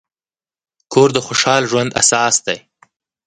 کور د خوشحال ژوند اساس دی.